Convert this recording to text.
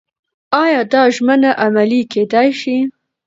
ایا دا ژمنه عملي کېدای شي؟